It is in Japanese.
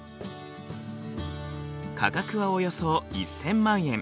価格はおよそ１，０００万円。